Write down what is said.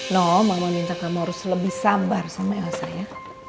no mama minta kamu harus lebih sabar sama ayah saya